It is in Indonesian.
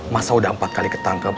masa sudah empat kali ketangkep